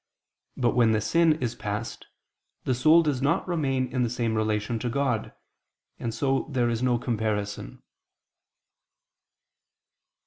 But when the sin is past, the soul does not remain in the same relation to God: and so there is no comparison.